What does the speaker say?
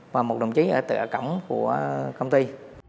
và một đồng chí ở cổng của công ty